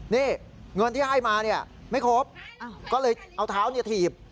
นี่เงินที่ให้มาเนี่ยไม่ครบก็เลยเอาเท้าถีบ